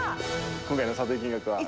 「今回の査定金額は」